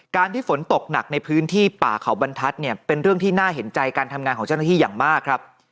ที่ฝนตกหนักในพื้นที่ป่าเขาบรรทัศน์เนี่ยเป็นเรื่องที่น่าเห็นใจการทำงานของเจ้าหน้าที่อย่างมากครับ